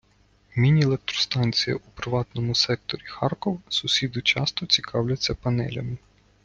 Міні - електростанція у приватному секторі Харкова Сусіди часто цікавляться панелями.